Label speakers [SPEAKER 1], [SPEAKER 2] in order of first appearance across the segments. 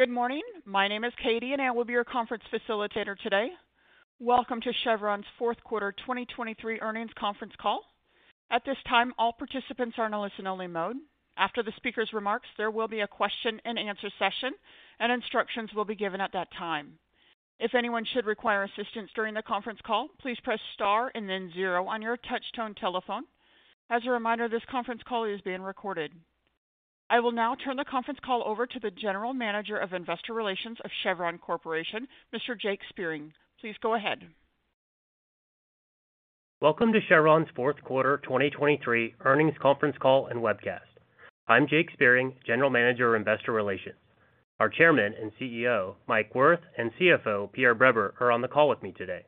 [SPEAKER 1] Good morning. My name is Katie, and I will be your conference facilitator today. Welcome to Chevron's fourth quarter 2023 earnings conference call. At this time, all participants are in a listen-only mode. After the speaker's remarks, there will be a question-and-answer session, and instructions will be given at that time. If anyone should require assistance during the conference call, please press Star and then zero on your touchtone telephone. As a reminder, this conference call is being recorded. I will now turn the conference call over to the General Manager of Investor Relations of Chevron Corporation, Mr. Jake Spiering. Please go ahead.
[SPEAKER 2] Welcome to Chevron's fourth quarter 2023 earnings conference call and webcast. I'm Jake Spiering, General Manager of Investor Relations. Our Chairman and CEO, Mike Wirth, and CFO, Pierre Breber, are on the call with me today.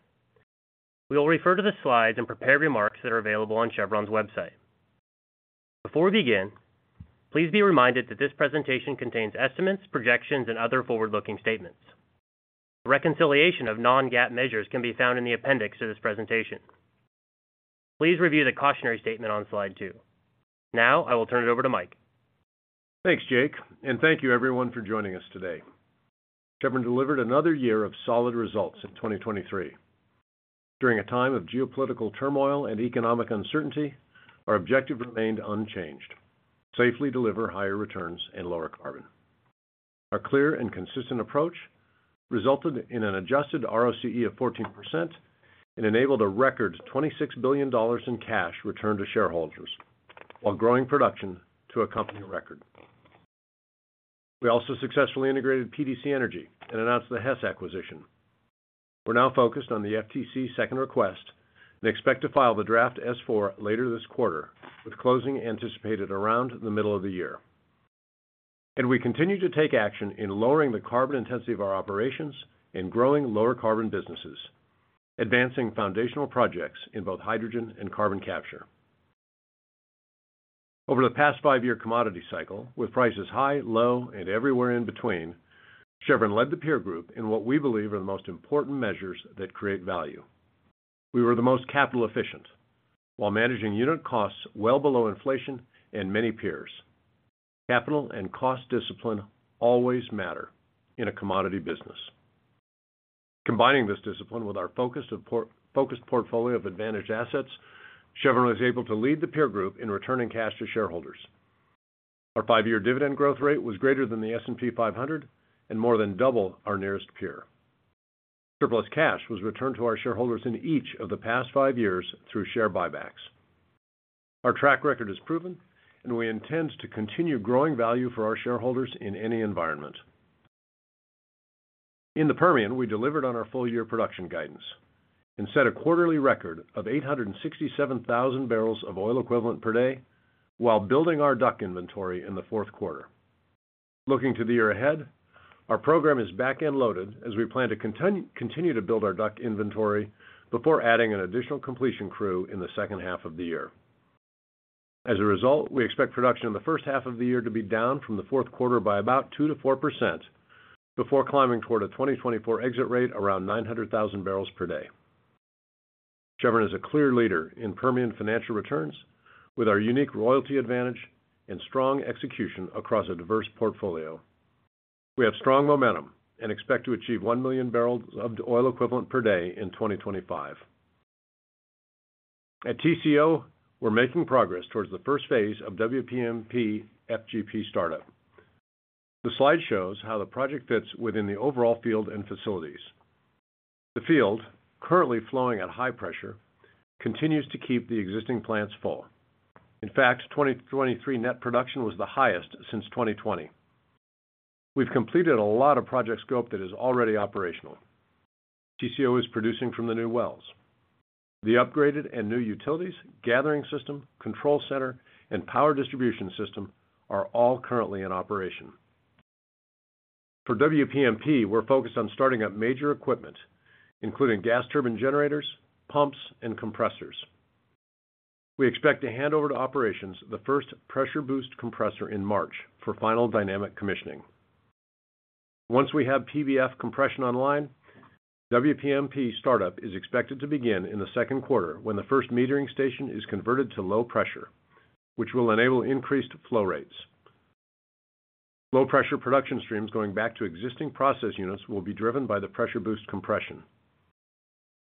[SPEAKER 2] We will refer to the slides and prepared remarks that are available on Chevron's website. Before we begin, please be reminded that this presentation contains estimates, projections, and other forward-looking statements. Reconciliation of non-GAAP measures can be found in the appendix to this presentation. Please review the cautionary statement on slide 2. Now, I will turn it over to Mike.
[SPEAKER 3] Thanks, Jake, and thank you everyone for joining us today. Chevron delivered another year of solid results in 2023. During a time of geopolitical turmoil and economic uncertainty, our objective remained unchanged: safely deliver higher returns and lower carbon. Our clear and consistent approach resulted in an adjusted ROCE of 14% and enabled a record $26 billion in cash returned to shareholders while growing production to a company record. We also successfully integrated PDC Energy and announced the Hess acquisition. We're now focused on the FTC's second request and expect to file the draft S-4 later this quarter, with closing anticipated around the middle of the year. And we continue to take action in lowering the carbon intensity of our operations and growing lower carbon businesses, advancing foundational projects in both hydrogen and carbon capture. Over the past five-year commodity cycle, with prices high, low, and everywhere in between, Chevron led the peer group in what we believe are the most important measures that create value. We were the most capital efficient, while managing unit costs well below inflation and many peers. Capital and cost discipline always matter in a commodity business. Combining this discipline with our focused portfolio of advantaged assets, Chevron was able to lead the peer group in returning cash to shareholders. Our five-year dividend growth rate was greater than the S&P 500 and more than double our nearest peer. Surplus cash was returned to our shareholders in each of the past five years through share buybacks. Our track record is proven, and we intend to continue growing value for our shareholders in any environment. In the Permian, we delivered on our full-year production guidance and set a quarterly record of 867,000 barrels of oil equivalent per day while building our DUC inventory in the fourth quarter. Looking to the year ahead, our program is back and loaded as we plan to continue to build our DUC inventory before adding an additional completion crew in the second half of the year. As a result, we expect production in the first half of the year to be down from the fourth quarter by about 2%-4%, before climbing toward a 2024 exit rate around 900,000 barrels per day. Chevron is a clear leader in Permian financial returns, with our unique royalty advantage and strong execution across a diverse portfolio. We have strong momentum and expect to achieve 1 million barrels of oil equivalent per day in 2025. At TCO, we're making progress towards the first phase of WPMP FGP startup. The slide shows how the project fits within the overall field and facilities. The field, currently flowing at high pressure, continues to keep the existing plants full. In fact, 2023 net production was the highest since 2020. We've completed a lot of project scope that is already operational. TCO is producing from the new wells. The upgraded and new utilities, gathering system, control center, and power distribution system are all currently in operation. For WPMP, we're focused on starting up major equipment, including gas turbine generators, pumps, and compressors. We expect to hand over to operations the first pressure boost compressor in March for final dynamic commissioning. Once we have PBF compression online, WPMP startup is expected to begin in the second quarter, when the first metering station is converted to low pressure, which will enable increased flow rates. Low pressure production streams going back to existing process units will be driven by the pressure boost compression.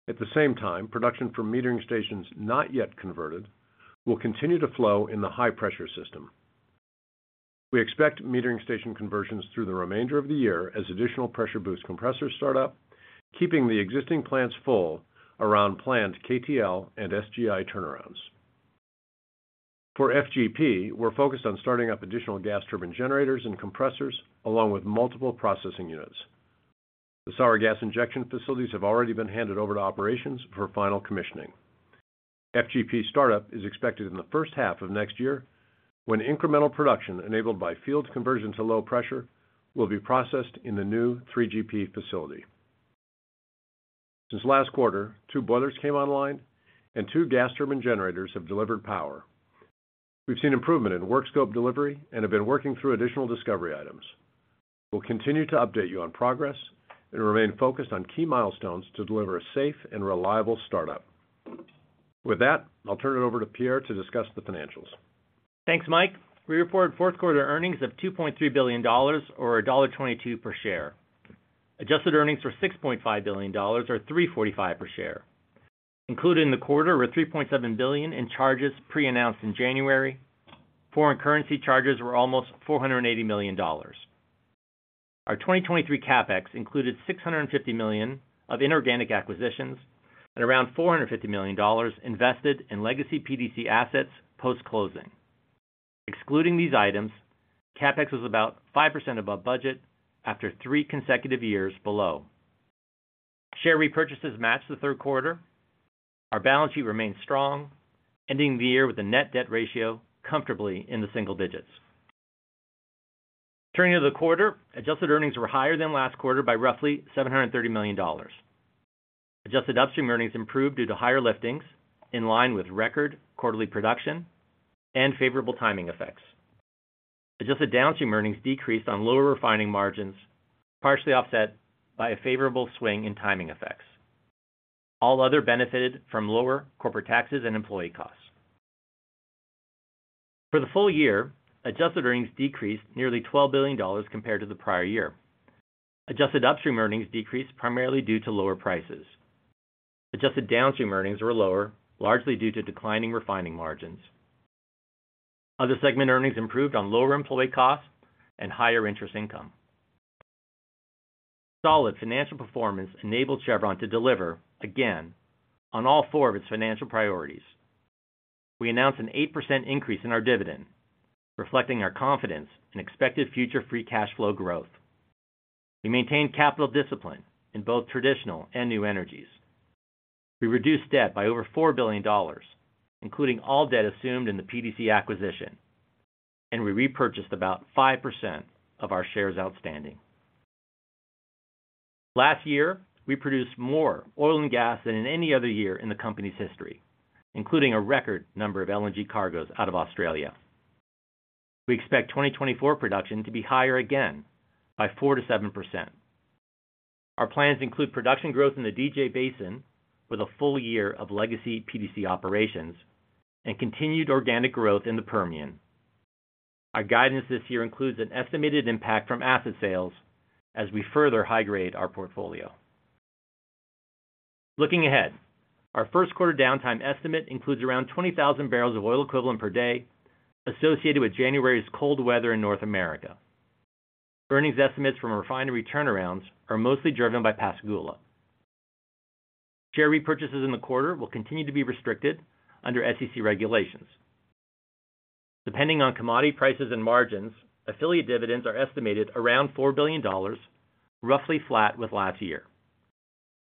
[SPEAKER 3] At the same time, production from metering stations not yet converted will continue to flow in the high-pressure system. We expect metering station conversions through the remainder of the year as additional pressure boost compressors start up, keeping the existing plants full around planned KTL and SGI turnarounds. For FGP, we're focused on starting up additional gas turbine generators and compressors, along with multiple processing units. The sour gas injection facilities have already been handed over to operations for final commissioning. FGP startup is expected in the first half of next year, when incremental production enabled by field conversion to low pressure will be processed in the new 3GP facility. Since last quarter, two boilers came online and two gas turbine generators have delivered power. We've seen improvement in work scope delivery and have been working through additional discovery items. We'll continue to update you on progress and remain focused on key milestones to deliver a safe and reliable startup.... With that, I'll turn it over to Pierre to discuss the financials.
[SPEAKER 4] Thanks, Mike. We reported fourth quarter earnings of $2.3 billion or $1.22 per share. Adjusted earnings were $6.5 billion or $3.45 per share. Included in the quarter were $3.7 billion in charges pre-announced in January. Foreign currency charges were almost $480 million. Our 2023 CapEx included $650 million of inorganic acquisitions and around $450 million invested in legacy PDC assets post-closing. Excluding these items, CapEx was about 5% above budget after three consecutive years below. Share repurchases matched the third quarter. Our balance sheet remains strong, ending the year with a net debt ratio comfortably in the single digits. Turning to the quarter, adjusted earnings were higher than last quarter by roughly $730 million. Adjusted upstream earnings improved due to higher liftings, in line with record quarterly production and favorable timing effects. Adjusted downstream earnings decreased on lower refining margins, partially offset by a favorable swing in timing effects. All other benefited from lower corporate taxes and employee costs. For the full year, adjusted earnings decreased nearly $12 billion compared to the prior year. Adjusted upstream earnings decreased primarily due to lower prices. Adjusted downstream earnings were lower, largely due to declining refining margins. Other segment earnings improved on lower employee costs and higher interest income. Solid financial performance enabled Chevron to deliver, again, on all four of its financial priorities. We announced an 8% increase in our dividend, reflecting our confidence in expected future free cash flow growth. We maintained capital discipline in both traditional and new energies. We reduced debt by over $4 billion, including all debt assumed in the PDC acquisition, and we repurchased about 5% of our shares outstanding. Last year, we produced more oil and gas than in any other year in the company's history, including a record number of LNG cargoes out of Australia. We expect 2024 production to be higher again by 4%-7%. Our plans include production growth in the DJ Basin with a full year of legacy PDC operations and continued organic growth in the Permian. Our guidance this year includes an estimated impact from asset sales as we further high-grade our portfolio. Looking ahead, our first quarter downtime estimate includes around 20,000 barrels of oil equivalent per day associated with January's cold weather in North America. Earnings estimates from refinery turnarounds are mostly driven by Pascagoula. Share repurchases in the quarter will continue to be restricted under SEC regulations. Depending on commodity prices and margins, affiliate dividends are estimated around $4 billion, roughly flat with last year.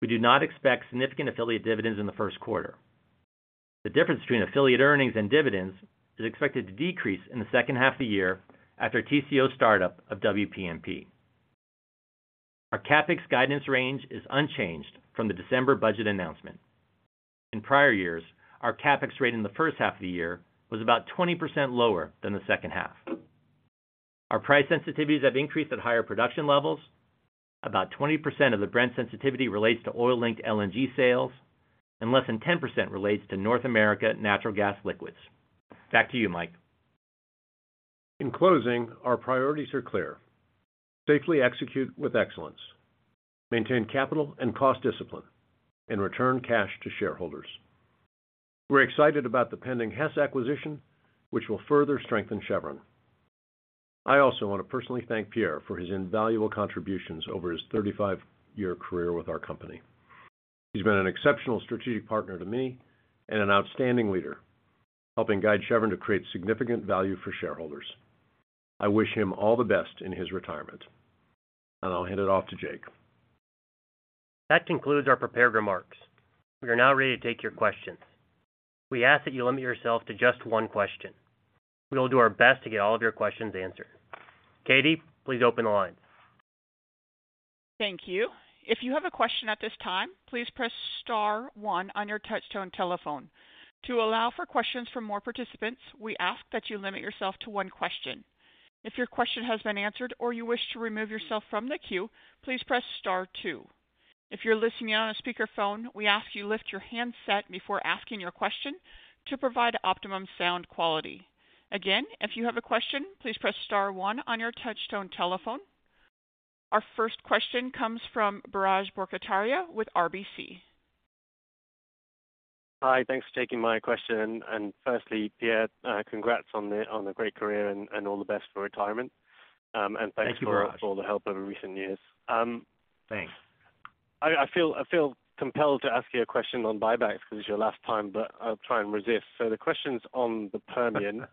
[SPEAKER 4] We do not expect significant affiliate dividends in the first quarter. The difference between affiliate earnings and dividends is expected to decrease in the second half of the year after TCO startup of WPMP. Our CapEx guidance range is unchanged from the December budget announcement. In prior years, our CapEx rate in the first half of the year was about 20% lower than the second half. Our price sensitivities have increased at higher production levels. About 20% of the Brent sensitivity relates to oil-linked LNG sales, and less than 10% relates to North America natural gas liquids. Back to you, Mike.
[SPEAKER 3] In closing, our priorities are clear: safely execute with excellence, maintain capital and cost discipline, and return cash to shareholders. We're excited about the pending Hess acquisition, which will further strengthen Chevron. I also want to personally thank Pierre for his invaluable contributions over his 35-year career with our company. He's been an exceptional strategic partner to me and an outstanding leader, helping guide Chevron to create significant value for shareholders. I wish him all the best in his retirement, and I'll hand it off to Jake.
[SPEAKER 2] That concludes our prepared remarks. We are now ready to take your questions. We ask that you limit yourself to just one question. We will do our best to get all of your questions answered. Katie, please open the line.
[SPEAKER 1] Thank you. If you have a question at this time, please press star one on your touchtone telephone. To allow for questions from more participants, we ask that you limit yourself to one question. If your question has been answered or you wish to remove yourself from the queue, please press star two. If you're listening on a speakerphone, we ask you lift your handset before asking your question to provide optimum sound quality. Again, if you have a question, please press star one on your touchtone telephone. Our first question comes from Biraj Borkhataria with RBC.
[SPEAKER 5] Hi, thanks for taking my question. Firstly, Pierre, congrats on the great career and all the best for retirement. And thanks-
[SPEAKER 4] Thank you, Biraj.
[SPEAKER 5] - for all the help over recent years.
[SPEAKER 4] Thanks.
[SPEAKER 5] I feel compelled to ask you a question on buybacks because it's your last time, but I'll try and resist. So the question's on the Permian.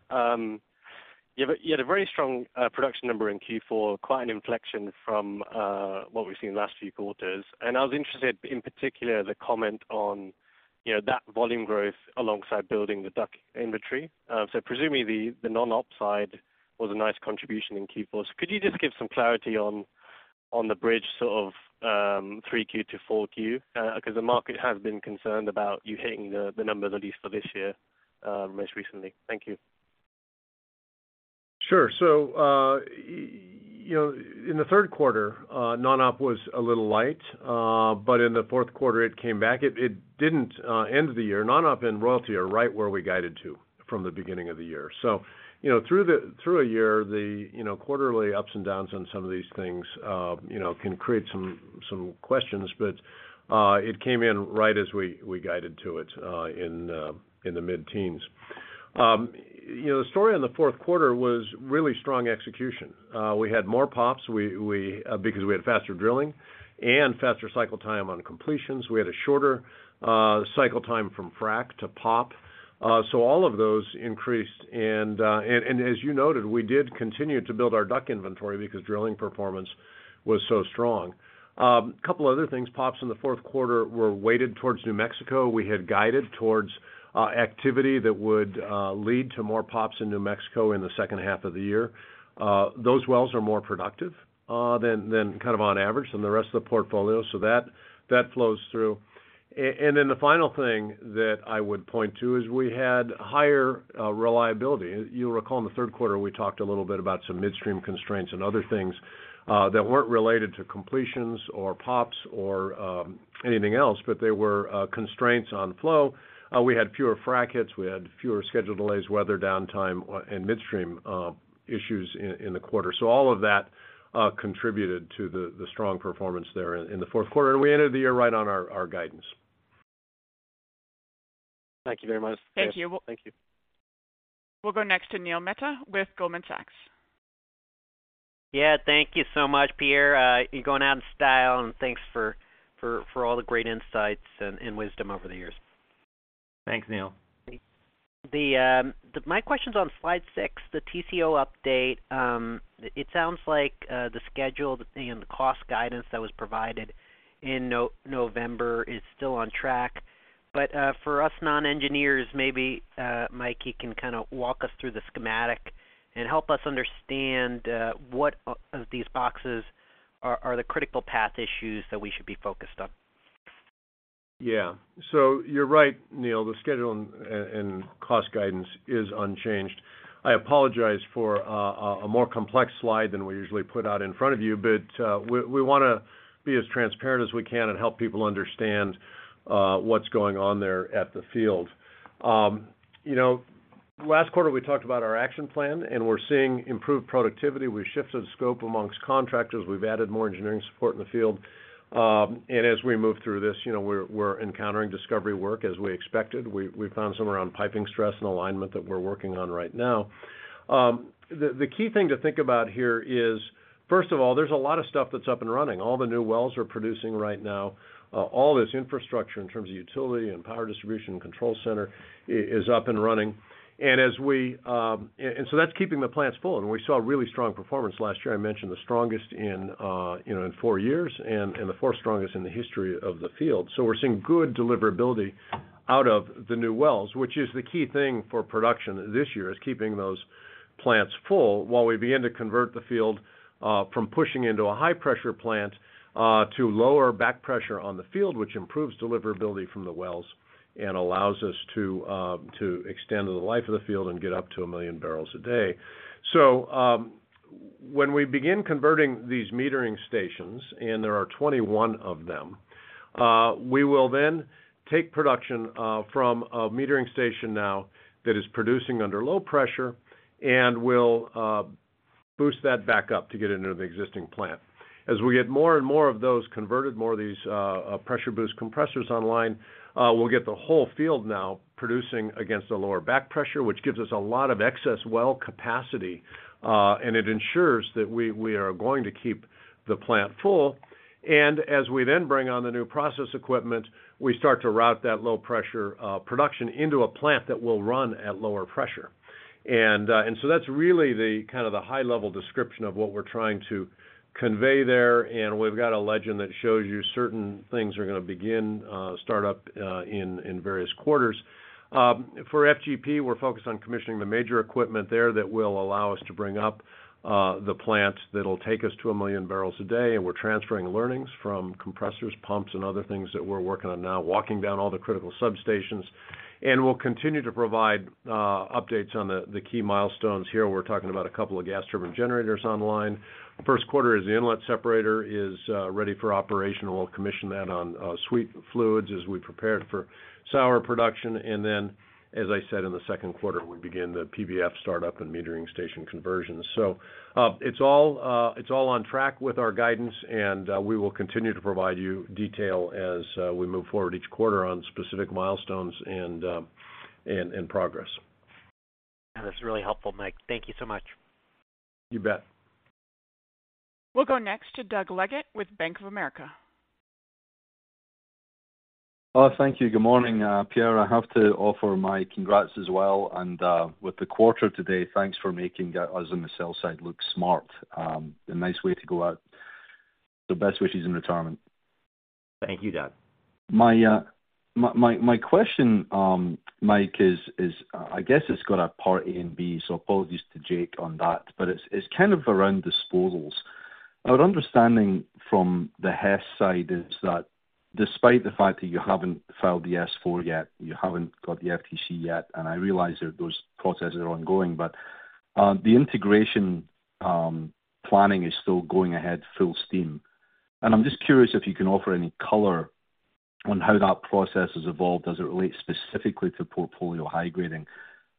[SPEAKER 5] You had a very strong production number in Q4, quite an inflection from what we've seen in the last few quarters, and I was interested, in particular, the comment on, you know, that volume growth alongside building the DUC inventory. So presumably, the non-op side was a nice contribution in Q4. So could you just give some clarity on the bridge, sort of, 3Q-4Q? Because the market has been concerned about you hitting the numbers, at least for this year, most recently. Thank you....
[SPEAKER 3] Sure. So, you know, in the third quarter, non-op was a little light, but in the fourth quarter, it came back. It, it didn't end of the year, non-op and royalty are right where we guided to from the beginning of the year. So, you know, through the year, you know, quarterly ups and downs on some of these things, you know, can create some questions, but it came in right as we guided to it, in the mid-teens. You know, the story on the fourth quarter was really strong execution. We had more POPs, because we had faster drilling and faster cycle time on completions. We had a shorter cycle time from frac to POP. So all of those increased. As you noted, we did continue to build our DUC inventory because drilling performance was so strong. A couple other things. POPs in the fourth quarter were weighted towards New Mexico. We had guided towards activity that would lead to more POPs in New Mexico in the second half of the year. Those wells are more productive than kind of on average than the rest of the portfolio, so that flows through. And then the final thing that I would point to is we had higher reliability. You'll recall in the third quarter, we talked a little bit about some midstream constraints and other things that weren't related to completions or POPs or anything else, but they were constraints on flow. We had fewer frac hits, we had fewer schedule delays, weather downtime, and midstream issues in the quarter. So all of that contributed to the strong performance there in the fourth quarter. And we ended the year right on our guidance.
[SPEAKER 5] Thank you very much.
[SPEAKER 2] Thank you.
[SPEAKER 5] Thank you.
[SPEAKER 1] We'll go next to Neil Mehta with Goldman Sachs.
[SPEAKER 6] Yeah, thank you so much, Pierre. You're going out in style, and thanks for all the great insights and wisdom over the years.
[SPEAKER 4] Thanks, Neil.
[SPEAKER 6] My question's on slide six, the TCO update. It sounds like the schedule and the cost guidance that was provided in November is still on track. But for us non-engineers, maybe Mike, you can kind of walk us through the schematic and help us understand what of these boxes are the critical path issues that we should be focused on.
[SPEAKER 3] Yeah. So you're right, Neil. The schedule and cost guidance is unchanged. I apologize for a more complex slide than we usually put out in front of you, but we wanna be as transparent as we can and help people understand what's going on there at the field. You know, last quarter, we talked about our action plan, and we're seeing improved productivity. We've shifted scope amongst contractors. We've added more engineering support in the field. And as we move through this, you know, we're encountering discovery work as we expected. We've found some around piping stress and alignment that we're working on right now. The key thing to think about here is, first of all, there's a lot of stuff that's up and running. All the new wells are producing right now. All this infrastructure in terms of utility and power distribution and control center is up and running. And so that's keeping the plants full, and we saw a really strong performance last year. I mentioned the strongest in, you know, in four years and the fourth strongest in the history of the field. So we're seeing good deliverability out of the new wells, which is the key thing for production this year, is keeping those plants full while we begin to convert the field from pushing into a high-pressure plant to lower back pressure on the field, which improves deliverability from the wells and allows us to to extend the life of the field and get up to 1 million barrels a day. So, when we begin converting these metering stations, and there are 21 of them, we will then take production from a metering station now that is producing under low pressure and we'll boost that back up to get it into the existing plant. As we get more and more of those converted, more of these pressure boost compressors online, we'll get the whole field now producing against a lower back pressure, which gives us a lot of excess well capacity, and it ensures that we are going to keep the plant full. As we then bring on the new process equipment, we start to route that low pressure production into a plant that will run at lower pressure. So that's really the kind of high-level description of what we're trying to convey there, and we've got a legend that shows you certain things are gonna begin, start up, in various quarters. For FGP, we're focused on commissioning the major equipment there that will allow us to bring up the plant that'll take us to 1 million barrels a day, and we're transferring learnings from compressors, pumps, and other things that we're working on now, walking down all the critical substations. And we'll continue to provide updates on the key milestones here. We're talking about a couple of gas turbine generators online. First quarter, the inlet separator is ready for operation, and we'll commission that on sweet fluids as we prepare it for sour production. And then, as I said, in the second quarter, we begin the PBF startup and metering station conversions. So, it's all on track with our guidance, and we will continue to provide you detail as we move forward each quarter on specific milestones and progress.
[SPEAKER 6] Yeah, that's really helpful, Mike. Thank you so much.
[SPEAKER 3] You bet.
[SPEAKER 1] We'll go next to Doug Leggate with Bank of America.
[SPEAKER 7] Thank you. Good morning, Pierre. I have to offer my congrats as well, and with the quarter today, thanks for making us on the sell side look smart. A nice way to go out. So best wishes in retirement.
[SPEAKER 8] Thank you, Doug.
[SPEAKER 7] My question, Mike, is, I guess it's got a part A and B, so apologies to Jake on that, but it's kind of around disposals. ... Our understanding from the Hess side is that despite the fact that you haven't filed the S-4 yet, you haven't got the FTC yet, and I realize that those processes are ongoing, but, the integration, planning is still going ahead full steam. And I'm just curious if you can offer any color on how that process has evolved as it relates specifically to portfolio high grading.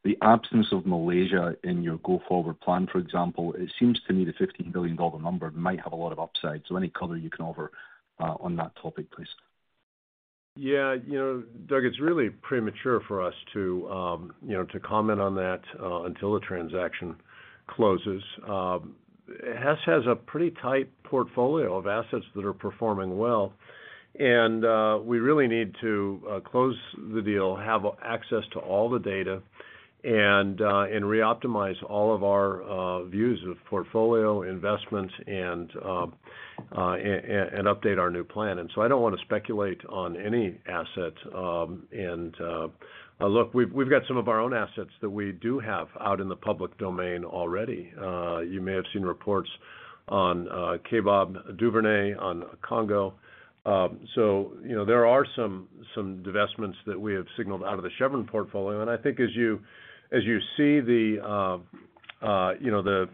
[SPEAKER 7] The absence of Malaysia in your go-forward plan, for example, it seems to me the $15 billion number might have a lot of upside. So any color you can offer, on that topic, please?
[SPEAKER 3] Yeah, you know, Doug, it's really premature for us to you know, to comment on that until the transaction closes. Hess has a pretty tight portfolio of assets that are performing well, and we really need to close the deal, have access to all the data, and reoptimize all of our views of portfolio investments and update our new plan. So I don't wanna speculate on any asset. Look, we've got some of our own assets that we do have out in the public domain already. You may have seen reports on Kaybob, Duvernay, on Congo. So, you know, there are some divestments that we have signaled out of the Chevron portfolio. I think as you see the, you know, the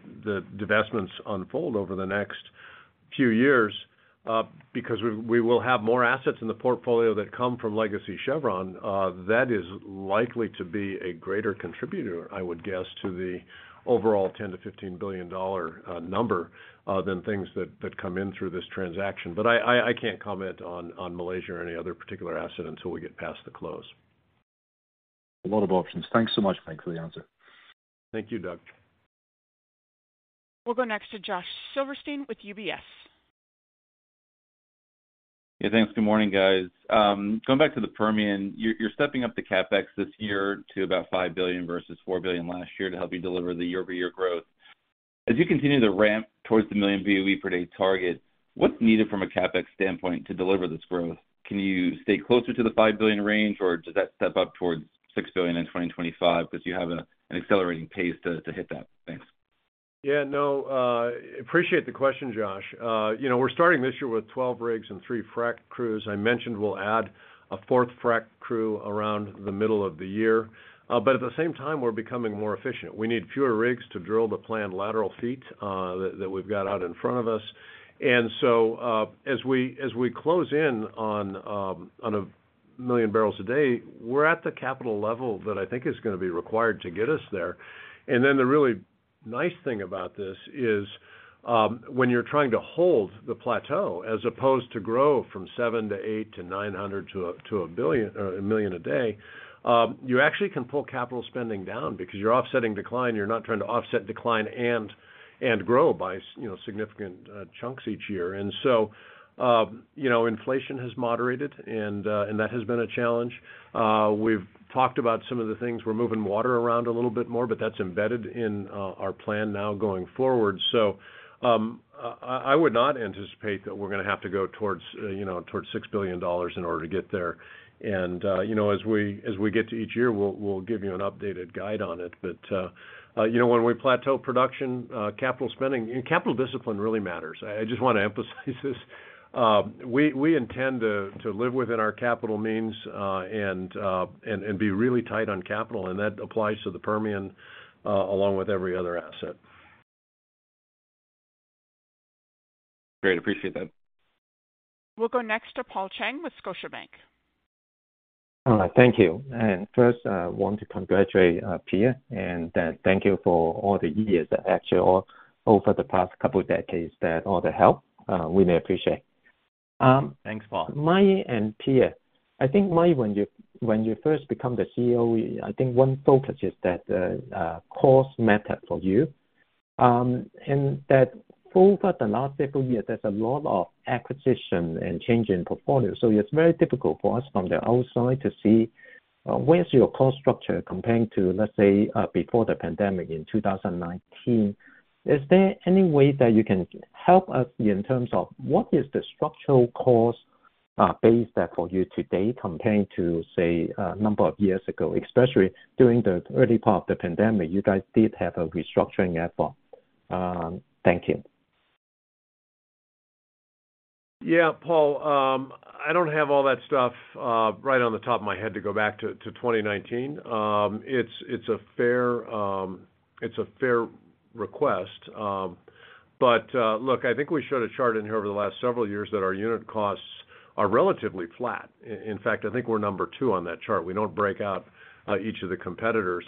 [SPEAKER 3] divestments unfold over the next few years, because we will have more assets in the portfolio that come from Legacy Chevron, that is likely to be a greater contributor, I would guess, to the overall $10 billion-$15 billion number than things that come in through this transaction. But I can't comment on Malaysia or any other particular asset until we get past the close.
[SPEAKER 7] A lot of options. Thanks so much for the answer.
[SPEAKER 3] Thank you, Doug.
[SPEAKER 1] We'll go next to Josh Silverstein with UBS.
[SPEAKER 9] Yeah, thanks. Good morning, guys. Going back to the Permian, you're stepping up the CapEx this year to about $5 billion versus $4 billion last year to help you deliver the year-over-year growth. As you continue to ramp towards the 1 million BOE per day target, what's needed from a CapEx standpoint to deliver this growth? Can you stay closer to the $5 billion range, or does that step up towards $6 billion in 2025 because you have an accelerating pace to hit that? Thanks.
[SPEAKER 3] Yeah, no, appreciate the question, Josh. You know, we're starting this year with 12 rigs and 3 frac crews. I mentioned we'll add a fourth frac crew around the middle of the year. But at the same time, we're becoming more efficient. We need fewer rigs to drill the planned lateral feet that we've got out in front of us. And so, as we close in on 1 million barrels a day, we're at the capital level that I think is gonna be required to get us there. And then the really nice thing about this is, when you're trying to hold the plateau, as opposed to grow from 7 to 8 to 900 to a, to a billion, a million a day, you actually can pull capital spending down because you're offsetting decline. You're not trying to offset decline and grow by, you know, significant chunks each year. And so, you know, inflation has moderated, and that has been a challenge. We've talked about some of the things. We're moving water around a little bit more, but that's embedded in our plan now going forward. So, I would not anticipate that we're gonna have to go towards, you know, towards $6 billion in order to get there. And, you know, as we get to each year, we'll give you an updated guide on it. But, you know, when we plateau production, capital spending, and capital discipline really matters. I just wanna emphasize this. We intend to live within our capital means, and be really tight on capital, and that applies to the Permian along with every other asset.
[SPEAKER 9] Great. Appreciate that.
[SPEAKER 1] We'll go next to Paul Cheng with Scotiabank.
[SPEAKER 10] Thank you. And first, I want to congratulate Pierre, and thank you for all the years, actually, all over the past couple of decades, that all the help we may appreciate.
[SPEAKER 8] Thanks, Paul.
[SPEAKER 10] Mike and Pierre, I think, Mike, when you, when you first become the CEO, I think one focus is that a cost method for you. And that over the last several years, there's a lot of acquisition and change in portfolio, so it's very difficult for us from the outside to see where's your cost structure comparing to, let's say, before the pandemic in 2019. Is there any way that you can help us in terms of what is the structural cost base that for you today, comparing to, say, a number of years ago? Especially during the early part of the pandemic, you guys did have a restructuring effort. Thank you.
[SPEAKER 3] Yeah, Paul, I don't have all that stuff right on the top of my head to go back to 2019. It's a fair request. But look, I think we showed a chart in here over the last several years that our unit costs are relatively flat. In fact, I think we're number two on that chart. We don't break out each of the competitors.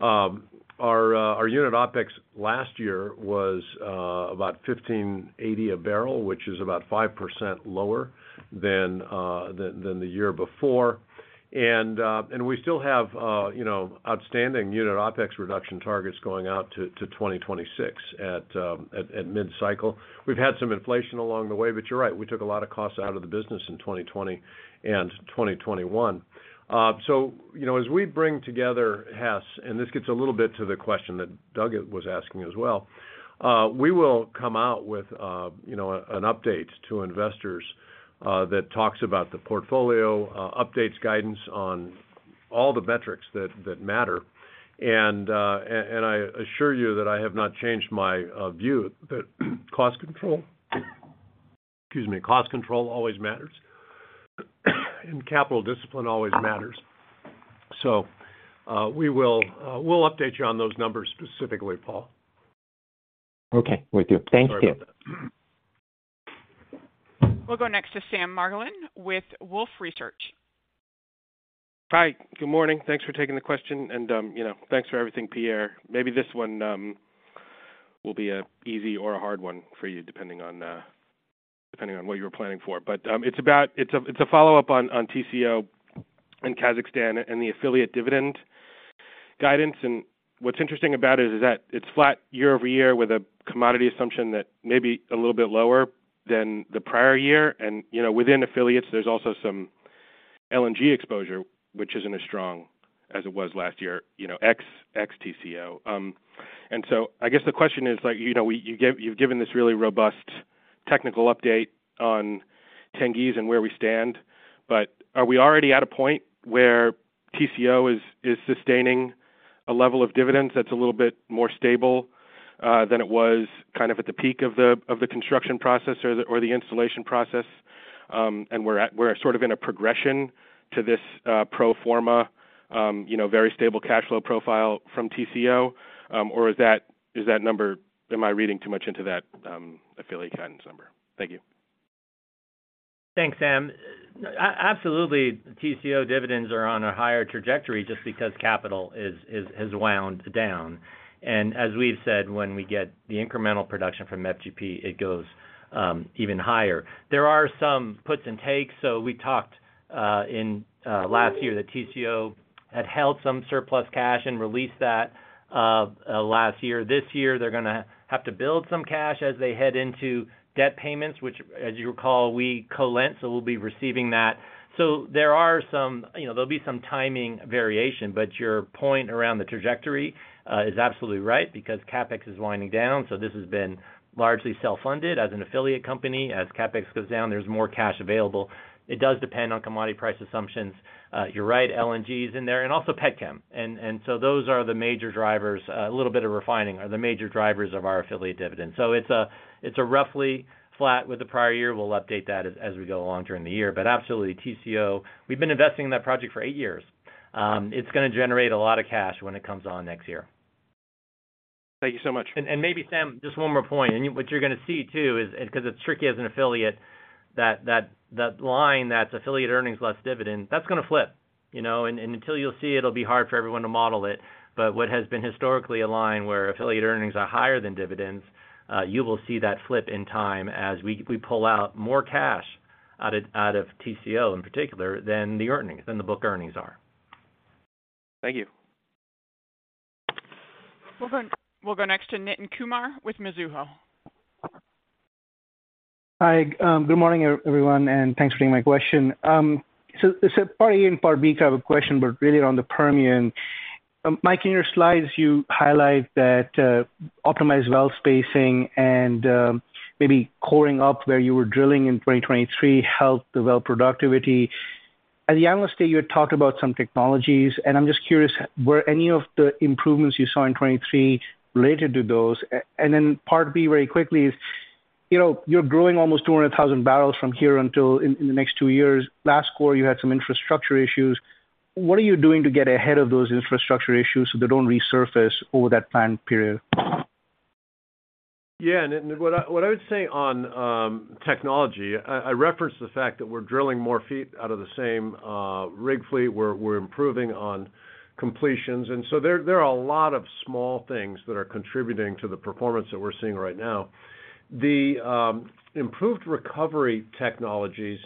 [SPEAKER 3] Our unit OpEx last year was about $15.80 a barrel, which is about 5% lower than the year before. And we still have, you know, outstanding unit OpEx reduction targets going out to 2026 at mid-cycle. We've had some inflation along the way, but you're right, we took a lot of costs out of the business in 2020 and 2021. So, you know, as we bring together Hess, and this gets a little bit to the question that Doug was asking as well, we will come out with, you know, an update to investors, that talks about the portfolio, updates guidance on all the metrics that matter. And I assure you that I have not changed my view, that cost control, excuse me, cost control always matters, and capital discipline always matters. So, we will, we'll update you on those numbers specifically, Paul.
[SPEAKER 10] Okay. Will do. Thank you.
[SPEAKER 3] Sorry about that.
[SPEAKER 1] We'll go next to Sam Margolin with Wolfe Research.
[SPEAKER 11] Hi, good morning. Thanks for taking the question, and, you know, thanks for everything, Pierre. Maybe this one will be a easy or a hard one for you, depending on, depending on what you were planning for. But, it's about-- it's a, it's a follow-up on, on TCO and Kazakhstan and the affiliate dividend guidance. And what's interesting about it is that it's flat year-over-year with a commodity assumption that may be a little bit lower than the prior year. And, you know, within affiliates, there's also some LNG exposure, which isn't as strong as it was last year, you know, ex, ex-TCO. So I guess the question is, like, you know, you've given this really robust technical update on Tengiz and where we stand, but are we already at a point where TCO is sustaining a level of dividends that's a little bit more stable than it was kind of at the peak of the construction process or the installation process? And we're sort of in a progression to this pro forma, you know, very stable cash flow profile from TCO? Or is that number... Am I reading too much into that affiliate guidance number? Thank you.
[SPEAKER 4] Thanks, Sam. Absolutely, TCO dividends are on a higher trajectory just because capital has wound down. And as we've said, when we get the incremental production from FGP, it goes even higher. There are some puts and takes. So we talked in last year that TCO had held some surplus cash and released that last year. This year, they're gonna have to build some cash as they head into debt payments, which, as you recall, we co-lent, so we'll be receiving that. So there are some, you know, there'll be some timing variation, but your point around the trajectory is absolutely right because CapEx is winding down, so this has been largely self-funded. As an affiliate company, as CapEx goes down, there's more cash available. It does depend on commodity price assumptions. You're right, LNG is in there, and also Petchem. So those are the major drivers, a little bit of refining, are the major drivers of our affiliate dividends. So it's roughly flat with the prior year. We'll update that as we go along during the year. But absolutely, TCO, we've been investing in that project for eight years. It's gonna generate a lot of cash when it comes on next year.
[SPEAKER 11] Thank you so much.
[SPEAKER 4] And maybe, Sam, just one more point. And what you're gonna see, too, is, and because it's tricky as an affiliate, that line, that's affiliate earnings less dividend, that's gonna flip, you know? And until you'll see it, it'll be hard for everyone to model it. But what has been historically a line where affiliate earnings are higher than dividends, you will see that flip in time as we pull out more cash out of TCO, in particular, than the earnings, than the book earnings are.
[SPEAKER 11] Thank you.
[SPEAKER 1] We'll go next to Nitin Kumar with Mizuho.
[SPEAKER 12] Hi. Good morning, everyone, and thanks for taking my question. So, part A and part B, kind of a question, but really on the Permian. Mike, in your slides, you highlight that optimized well spacing and maybe coring up where you were drilling in 2023 helped develop productivity. As an analyst today, you had talked about some technologies, and I'm just curious, were any of the improvements you saw in 2023 related to those? And then part B, very quickly, is, you know, you're growing almost 200,000 barrels from here until in the next two years. Last quarter, you had some infrastructure issues. What are you doing to get ahead of those infrastructure issues so they don't resurface over that planned period?
[SPEAKER 3] Yeah, Nitin, what I would say on technology, I referenced the fact that we're drilling more feet out of the same rig fleet. We're improving on completions. And so there are a lot of small things that are contributing to the performance that we're seeing right now. The improved recovery technologies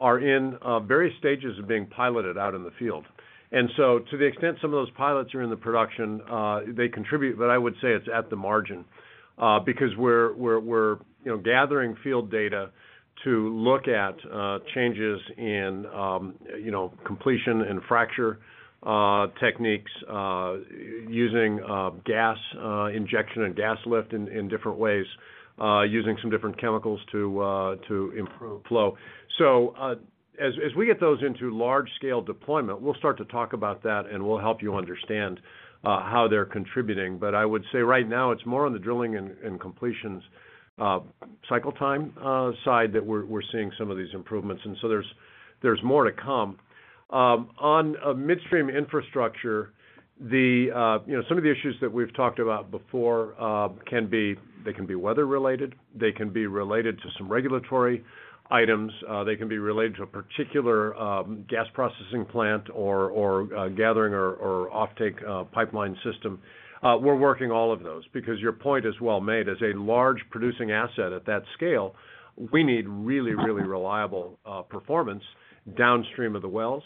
[SPEAKER 3] are in various stages of being piloted out in the field. And so to the extent some of those pilots are in the production, they contribute, but I would say it's at the margin because we're you know, gathering field data to look at changes in you know, completion and fracture techniques using gas injection and gas lift in different ways using some different chemicals to improve flow. So, as we get those into large-scale deployment, we'll start to talk about that, and we'll help you understand how they're contributing. But I would say right now, it's more on the drilling and completions cycle time side that we're seeing some of these improvements, and so there's more to come. On midstream infrastructure, you know, some of the issues that we've talked about before can be weather related, they can be related to some regulatory items, they can be related to a particular gas processing plant or a gathering or offtake pipeline system. We're working all of those because your point is well made. As a large producing asset at that scale, we need really, really reliable performance downstream of the wells,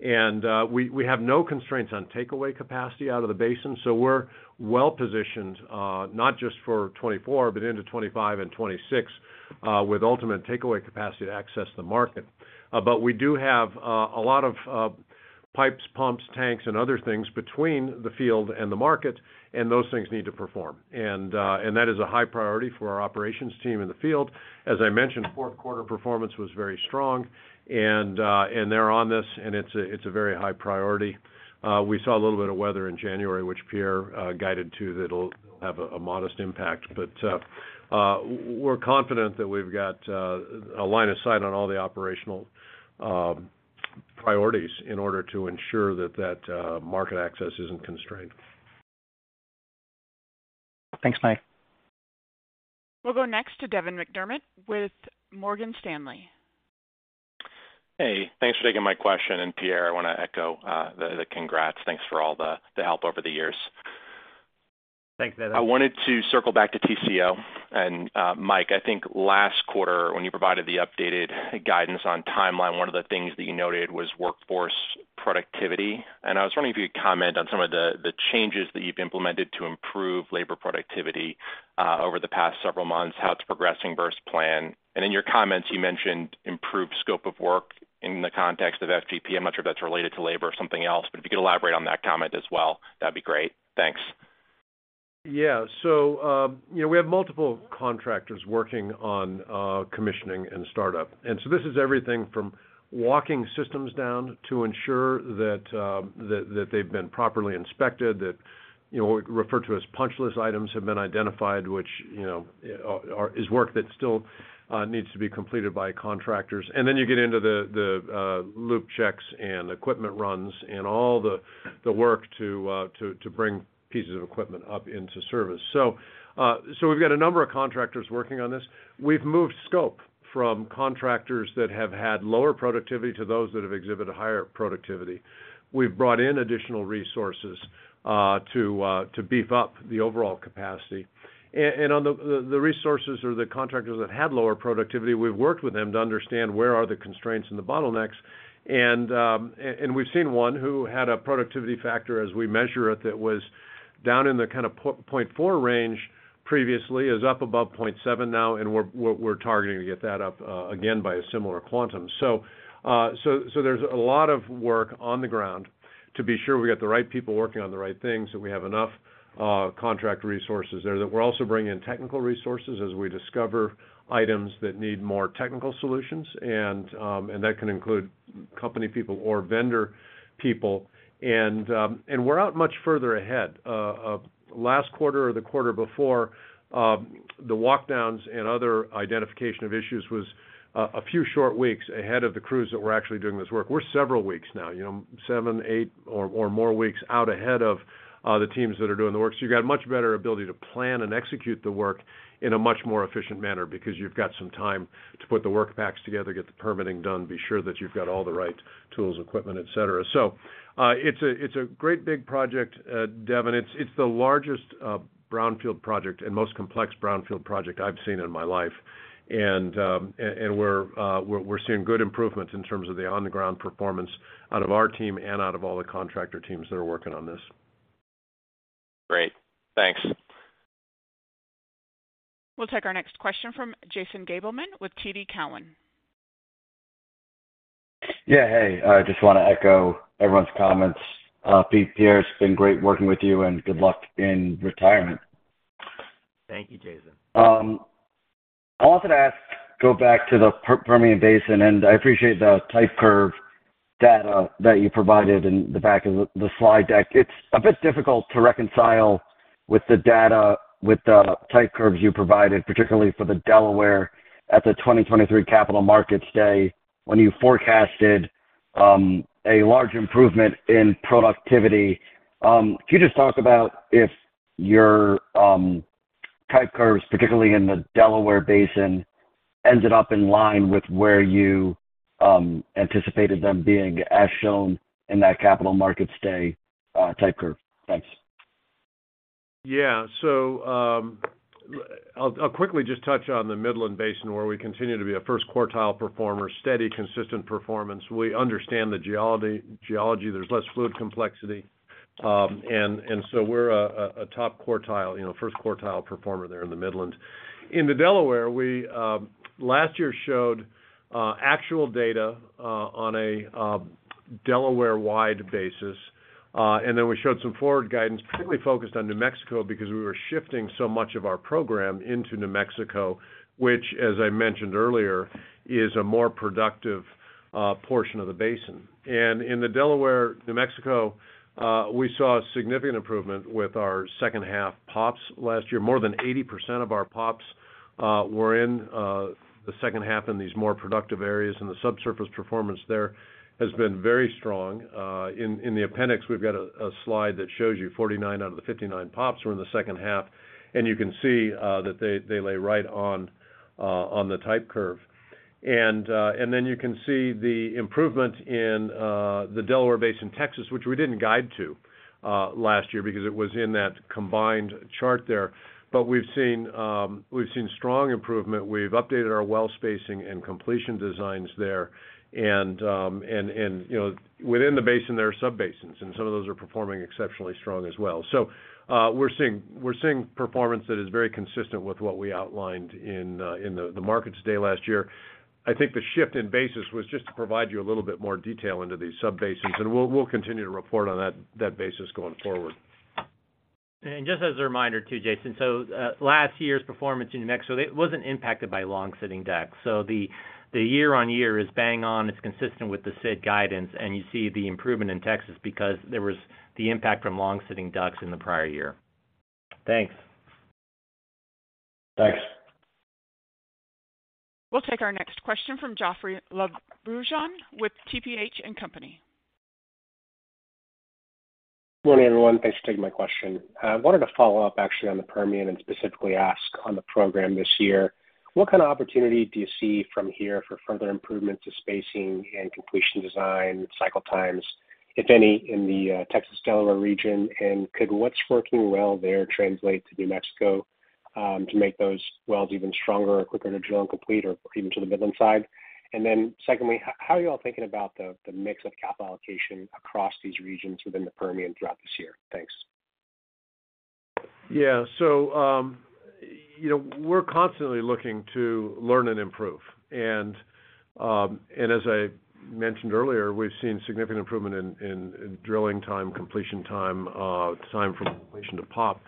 [SPEAKER 3] and we have no constraints on takeaway capacity out of the basin, so we're well-positioned, not just for 2024, but into 2025 and 2026, with ultimate takeaway capacity to access the market. But we do have a lot of pipes, pumps, tanks, and other things between the field and the market, and those things need to perform. And that is a high priority for our operations team in the field. As I mentioned, fourth quarter performance was very strong, and they're on this, and it's a very high priority. We saw a little bit of weather in January, which Pierre guided to, that'll have a modest impact. But, we're confident that we've got a line of sight on all the operational priorities in order to ensure that that market access isn't constrained.
[SPEAKER 12] Thanks, Mike.
[SPEAKER 1] We'll go next to Devin McDermott with Morgan Stanley.
[SPEAKER 13] Hey, thanks for taking my question, and Pierre, I want to echo the congrats. Thanks for all the help over the years.
[SPEAKER 4] Thanks, Devin.
[SPEAKER 13] I wanted to circle back to TCO. And, Mike, I think last quarter, when you provided the updated guidance on timeline, one of the things that you noted was workforce productivity. And I was wondering if you could comment on some of the, the changes that you've implemented to improve labor productivity, over the past several months, how it's progressing versus plan. And in your comments, you mentioned improved scope of work in the context of FGP. I'm not sure if that's related to labor or something else, but if you could elaborate on that comment as well, that'd be great. Thanks.
[SPEAKER 3] Yeah. So, you know, we have multiple contractors working on commissioning and startup. And so this is everything from walking systems down to ensure that they've been properly inspected, that, you know, what we refer to as punch list items have been identified, which, you know, is work that still needs to be completed by contractors. And then you get into the loop checks and equipment runs and all the work to bring pieces of equipment up into service. So, so we've got a number of contractors working on this. We've moved scope from contractors that have had lower productivity to those that have exhibited higher productivity. We've brought in additional resources to beef up the overall capacity. On the resources or the contractors that had lower productivity, we've worked with them to understand where are the constraints and the bottlenecks. We've seen one who had a productivity factor as we measure it, that was down in the kind of 0.4 range previously, is up above 0.7 now, and we're targeting to get that up again, by a similar quantum. So, there's a lot of work on the ground to be sure we got the right people working on the right things, that we have enough contract resources there, that we're also bringing in technical resources as we discover items that need more technical solutions, and that can include company people or vendor people. We're out much further ahead. Last quarter or the quarter before, the walkdowns and other identification of issues was a few short weeks ahead of the crews that were actually doing this work. We're several weeks now, you know, seven, eight, or more weeks out ahead of the teams that are doing the work. So you've got a much better ability to plan and execute the work in a much more efficient manner because you've got some time to put the work packs together, get the permitting done, be sure that you've got all the right tools, equipment, et cetera. So, it's a great big project, Devin. It's the largest brownfield project and most complex brownfield project I've seen in my life. And we're seeing good improvements in terms of the on-the-ground performance out of our team and out of all the contractor teams that are working on this.
[SPEAKER 13] Great. Thanks.
[SPEAKER 1] We'll take our next question from Jason Gabelman with TD Cowen.
[SPEAKER 14] Yeah, hey. I just want to echo everyone's comments. Pierre, it's been great working with you, and good luck in retirement.
[SPEAKER 4] Thank you, Jason.
[SPEAKER 14] I wanted to ask, go back to the Permian Basin, and I appreciate the type curve data that you provided in the back of the slide deck. It's a bit difficult to reconcile with the data, with the type curves you provided, particularly for the Delaware at the 2023 Capital Markets Day, when you forecasted a large improvement in productivity. Could you just talk about if your type curves, particularly in the Delaware Basin, ended up in line with where you anticipated them being, as shown in that Capital Markets Day type curve? Thanks.
[SPEAKER 3] Yeah. So, I'll quickly just touch on the Midland Basin, where we continue to be a first quartile performer, steady, consistent performance. We understand the geology. There's less fluid complexity. And so we're a top quartile, you know, first quartile performer there in the Midlands. In the Delaware, we last year showed actual data on a Delaware-wide basis, and then we showed some forward guidance, particularly focused on New Mexico, because we were shifting so much of our program into New Mexico, which, as I mentioned earlier, is a more productive portion of the basin. And in the Delaware, New Mexico, we saw a significant improvement with our second half POPs last year. More than 80% of our POPs were in the second half in these more productive areas, and the subsurface performance there has been very strong. In the appendix, we've got a slide that shows you 49 out of the 59 POPs were in the second half, and you can see that they lay right on the type curve. And then you can see the improvement in the Delaware Basin, Texas, which we didn't guide to last year because it was in that combined chart there. But we've seen we've seen strong improvement. We've updated our well spacing and completion designs there. And you know, within the basin, there are subbasins, and some of those are performing exceptionally strong as well. So, we're seeing, we're seeing performance that is very consistent with what we outlined in the Markets Day last year. I think the shift in basis was just to provide you a little bit more detail into these subbasins, and we'll continue to report on that basis going forward.
[SPEAKER 4] Just as a reminder, too, Jason, so, last year's performance in New Mexico, it wasn't impacted by long-sitting DUCs. So the, the year-on-year is bang on. It's consistent with the said guidance, and you see the improvement in Texas because there was the impact from long-sitting DUCs in the prior year.
[SPEAKER 14] Thanks....
[SPEAKER 3] Thanks.
[SPEAKER 1] We'll take our next question from Jeoffrey Lambujon with TPH & Company.
[SPEAKER 15] Good morning, everyone. Thanks for taking my question. I wanted to follow up actually on the Permian and specifically ask on the program this year, what kind of opportunity do you see from here for further improvements to spacing and completion design, cycle times, if any, in the Texas-Delaware region? And could what's working well there translate to New Mexico to make those wells even stronger or quicker to drill and complete or even to the Midland side? And then secondly, how are you all thinking about the mix of capital allocation across these regions within the Permian throughout this year? Thanks.
[SPEAKER 3] Yeah. So, you know, we're constantly looking to learn and improve. And, and as I mentioned earlier, we've seen significant improvement in drilling time, completion time, time from completion to pop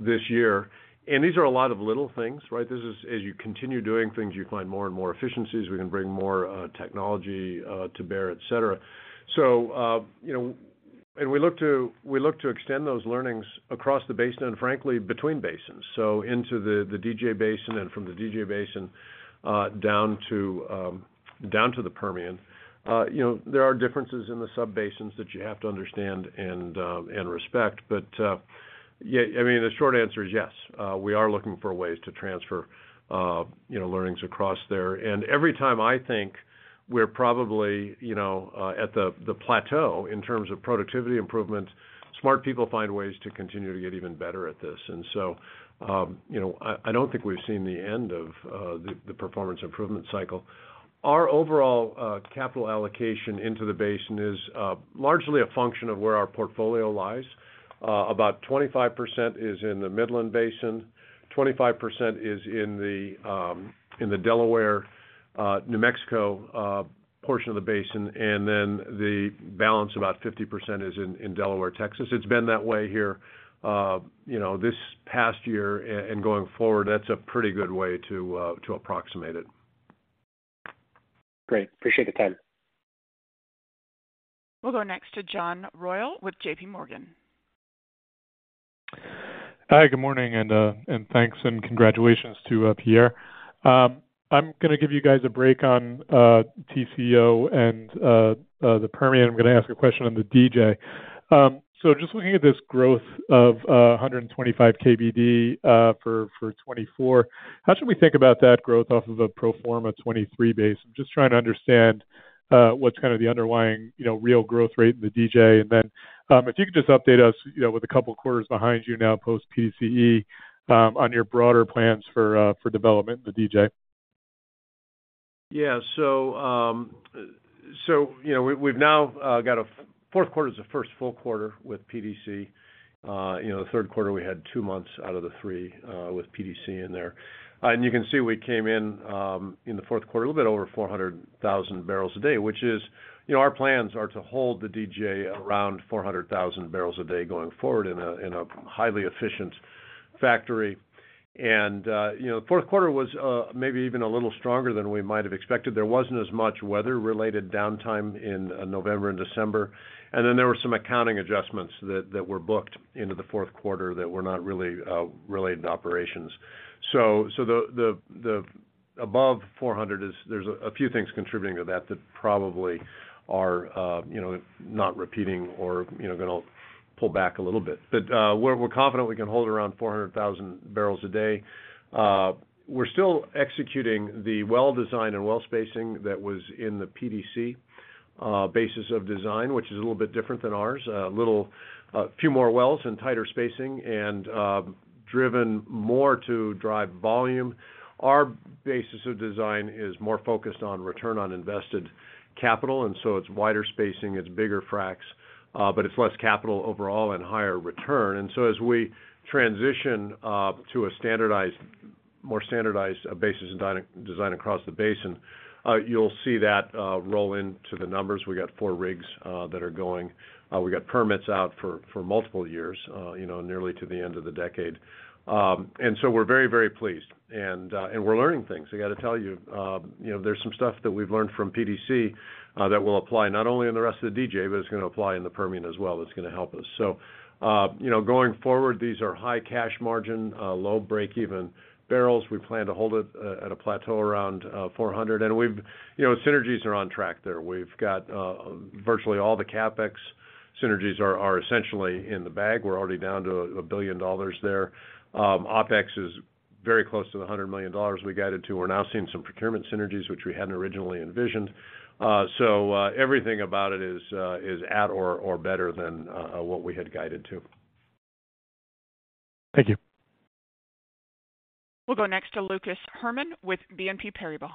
[SPEAKER 3] this year. And these are a lot of little things, right? This is, as you continue doing things, you find more and more efficiencies. We can bring more, technology, to bear, et cetera. So, you know, and we look to, we look to extend those learnings across the basin and frankly, between basins. So into the DJ Basin, and from the DJ Basin, down to the Permian. You know, there are differences in the sub-basins that you have to understand and, and respect. But, yeah, I mean, the short answer is yes, we are looking for ways to transfer, you know, learnings across there. And every time I think we're probably, you know, at the plateau in terms of productivity improvements, smart people find ways to continue to get even better at this. And so, you know, I don't think we've seen the end of the performance improvement cycle. Our overall capital allocation into the basin is largely a function of where our portfolio lies. About 25% is in the Midland Basin, 25% is in the Delaware New Mexico portion of the basin, and then the balance, about 50%, is in Delaware, Texas. It's been that way here, you know, this past year, and going forward, that's a pretty good way to approximate it.
[SPEAKER 15] Great. Appreciate the time.
[SPEAKER 1] We'll go next to John Royal with J.P. Morgan.
[SPEAKER 16] Hi, good morning, and thanks and congratulations to Pierre. I'm gonna give you guys a break on TCO and the Permian. I'm gonna ask a question on the DJ. So just looking at this growth of 125 KBD for 2024, how should we think about that growth off of a pro forma 2023 base? I'm just trying to understand what's kind of the underlying, you know, real growth rate in the DJ. And then, if you could just update us, you know, with a couple quarters behind you now post-PDC, on your broader plans for development in the DJ.
[SPEAKER 3] Yeah. So, you know, we've now got a fourth quarter is the first full quarter with PDC. You know, the third quarter, we had two months out of the three with PDC in there. And you can see we came in in the fourth quarter a little bit over 400,000 barrels a day, which is, you know, our plans are to hold the DJ around 400,000 barrels a day going forward in a highly efficient factory. And, you know, the fourth quarter was maybe even a little stronger than we might have expected. There wasn't as much weather-related downtime in November and December, and then there were some accounting adjustments that were booked into the fourth quarter that were not really related to operations. So the above 400 is that there's a few things contributing to that that probably are, you know, not repeating or, you know, gonna pull back a little bit. But we're confident we can hold around 400,000 barrels a day. We're still executing the well design and well spacing that was in the PDC basis of design, which is a little bit different than ours. A little, a few more wells and tighter spacing, and driven more to drive volume. Our basis of design is more focused on return on invested capital, and so it's wider spacing, it's bigger fracs, but it's less capital overall and higher return. And so as we transition to a standardized, more standardized basis design across the basin, you'll see that roll into the numbers. We got four rigs that are going. We got permits out for multiple years, you know, nearly to the end of the decade. And so we're very, very pleased, and we're learning things. I got to tell you, you know, there's some stuff that we've learned from PDC that will apply not only in the rest of the DJ, but it's gonna apply in the Permian as well. That's gonna help us. So, you know, going forward, these are high cash margin low breakeven barrels. We plan to hold it at a plateau around 400, and we've. You know, synergies are on track there. We've got virtually all the CapEx synergies are essentially in the bag. We're already down to $1 billion there. OpEx is very close to the $100 million we guided to. We're now seeing some procurement synergies, which we hadn't originally envisioned. So, everything about it is at or better than what we had guided to.
[SPEAKER 16] Thank you.
[SPEAKER 1] We'll go next to Lucas Hermann with BNP Paribas.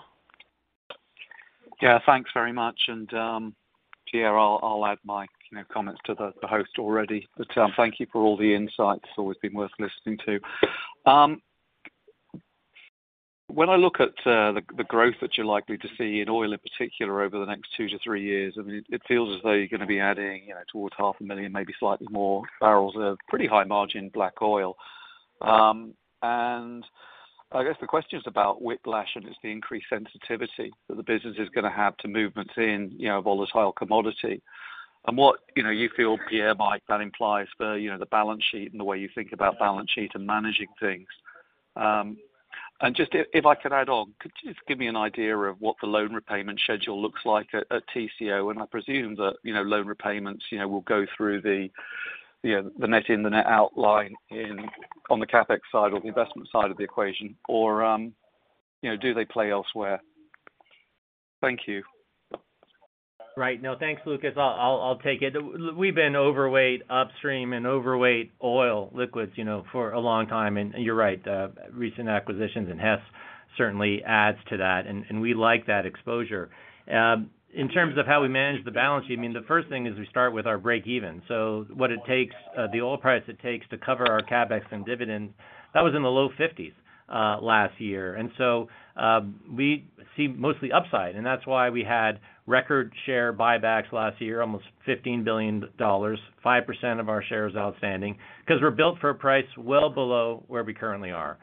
[SPEAKER 17] Yeah, thanks very much. And, Pierre, I'll add my, you know, comments to the host already. But, thank you for all the insights. It's always been worth listening to. When I look at the growth that you're likely to see in oil, in particular, over the next two to three years, I mean, it feels as though you're gonna be adding, you know, towards 500,000, maybe slightly more barrels of pretty high-margin black oil. And I guess the question is about whiplash, and it's the increased sensitivity that the business is gonna have to movements in, you know, a volatile commodity. And what, you know, you feel, Pierre, Mike, that implies for, you know, the balance sheet and the way you think about balance sheet and managing things. And just if, if I could add on, could you just give me an idea of what the loan repayment schedule looks like at, at TCO? And I presume that, you know, loan repayments, you know, will go through the, you know, the net in the net outline in, on the CapEx side or the investment side of the equation, or, you know, do they play elsewhere? Thank you.
[SPEAKER 4] Right. No, thanks, Lucas. I'll, I'll, I'll take it. We've been overweight upstream and overweight oil liquids, you know, for a long time. And you're right, recent acquisitions in Hess certainly adds to that, and we like that exposure. In terms of how we manage the balance sheet, I mean, the first thing is we start with our breakeven. So what it takes, the oil price it takes to cover our CapEx and dividends, that was in the low $50s last year. And so, we see mostly upside, and that's why we had record share buybacks last year, almost $15 billion, 5% of our shares outstanding, 'cause we're built for a price well below where we currently are.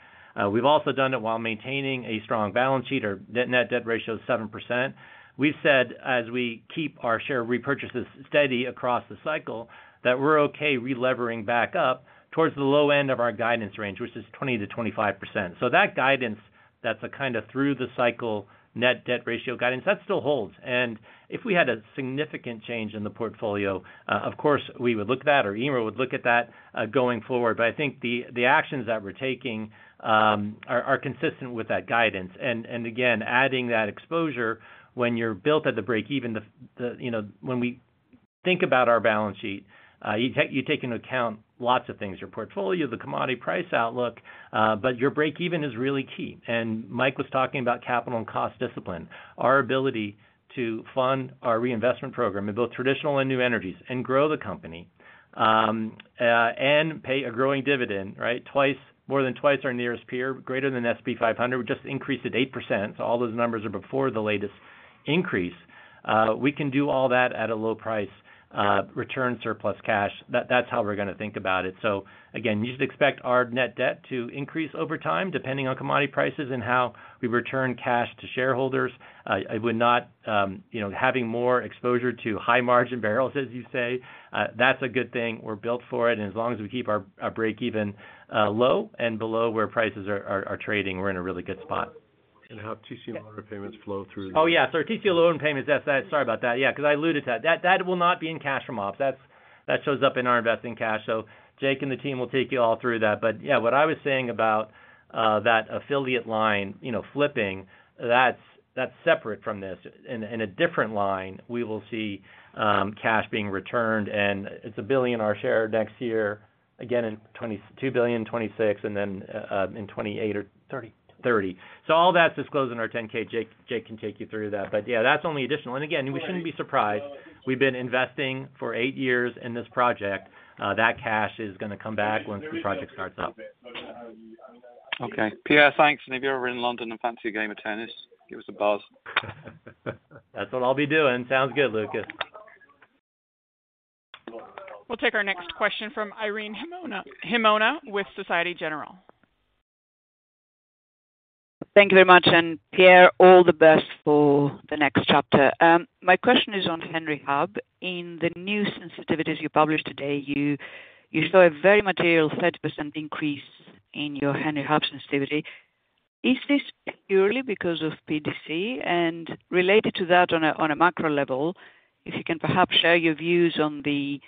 [SPEAKER 4] We've also done it while maintaining a strong balance sheet. Our net, net debt ratio is 7%. We've said as we keep our share repurchases steady across the cycle, that we're okay relevering back up towards the low end of our guidance range, which is 20%-25%. So that guidance, that's a kind of through the cycle net debt ratio guidance, that still holds. And if we had a significant change in the portfolio, of course, we would look at that, or Eimear would look at that, going forward. But I think the actions that we're taking are consistent with that guidance. And again, adding that exposure when you're built at the breakeven, you know, when we think about our balance sheet, you take into account lots of things, your portfolio, the commodity price outlook, but your breakeven is really key. And Mike was talking about capital and cost discipline. Our ability to fund our reinvestment program in both traditional and new energies, and grow the company, and pay a growing dividend, right? More than twice our nearest peer, greater than S&P 500. We just increased it 8%, so all those numbers are before the latest increase. We can do all that at a low price, return surplus cash. That's how we're gonna think about it. So again, you should expect our net debt to increase over time, depending on commodity prices and how we return cash to shareholders. I would not... You know, having more exposure to high-margin barrels, as you say, that's a good thing. We're built for it, and as long as we keep our breakeven low and below where prices are trading, we're in a really good spot.
[SPEAKER 3] And how TCO loan repayments flow through?
[SPEAKER 4] Oh, yeah. So TCO loan payments, that's that. Sorry about that. Yeah, 'cause I alluded to that. That, that will not be in cash from ops. That shows up in our investing cash. So Jake and the team will take you all through that. But yeah, what I was saying about that affiliate line, you know, flipping, that's separate from this. In a different line, we will see cash being returned, and it's $1 billion our share next year, again, in $2 billion, 2026, and then in 2028 or-
[SPEAKER 3] Thirty.
[SPEAKER 4] 30. So all that's disclosed in our 10-K. Jake, Jake can take you through that. But yeah, that's only additional. And again, we shouldn't be surprised. We've been investing for 8 years in this project. That cash is gonna come back once the project starts up.
[SPEAKER 17] Okay. Pierre, thanks. And if you're ever in London and fancy a game of tennis, give us a buzz.
[SPEAKER 4] That's what I'll be doing. Sounds good, Lucas.
[SPEAKER 1] We'll take our next question from Irene Himona, Himona with Société Générale.
[SPEAKER 18] Thank you very much, and Pierre, all the best for the next chapter. My question is on Henry Hub. In the new sensitivities you published today, you saw a very material 30% increase in your Henry Hub sensitivity. Is this purely because of PDC? And related to that, on a macro level, if you can perhaps share your views on the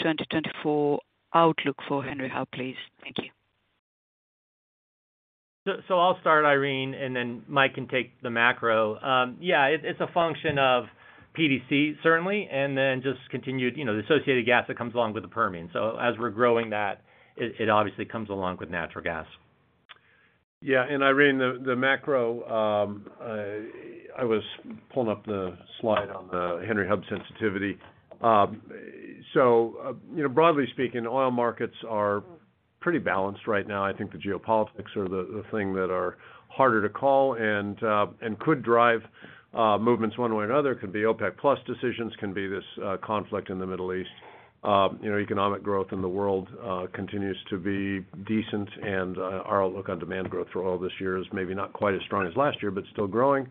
[SPEAKER 18] 2024 outlook for Henry Hub, please. Thank you.
[SPEAKER 4] So, I'll start, Irene, and then Mike can take the macro. Yeah, it's a function of PDC, certainly, and then just continued, you know, the associated gas that comes along with the Permian. So as we're growing that, it obviously comes along with natural gas.
[SPEAKER 3] Yeah, and Irene, the macro, I was pulling up the slide on the Henry Hub sensitivity. So, you know, broadly speaking, oil markets are pretty balanced right now. I think the geopolitics are the thing that are harder to call and could drive movements one way or another. Could be OPEC+ decisions, can be this conflict in the Middle East. You know, economic growth in the world continues to be decent, and our outlook on demand growth for oil this year is maybe not quite as strong as last year, but still growing.